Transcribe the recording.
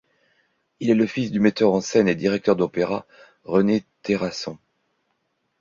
Il est le fils du metteur en scène et directeur d’opéra René Terrasson.